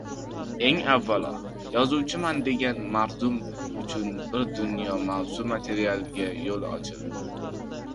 – Eng avvalo, yozuvchiman degan mardum uchun bir dunyo mavzu-materialga yo‘l ochildi.